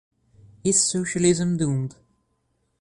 Is Socialism Doomed?